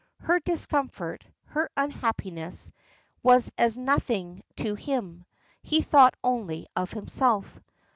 Her discomfort, her unhappiness, was as nothing to him he thought only of himself.